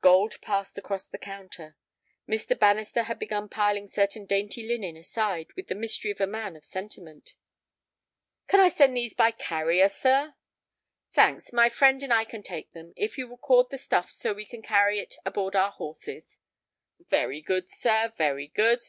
Gold passed across the counter. Mr. Bannister had begun piling certain dainty linen aside with the mystery of a man of sentiment. "Can I send these by the carrier, sir?" "Thanks; my friend and I can take them, if you will cord the stuff so that we can carry it aboard our horses." "Very good, sir, very good."